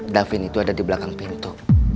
davin itu ada di belakang pintu